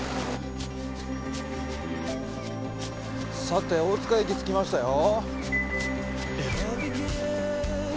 さて大塚駅着きましたよ。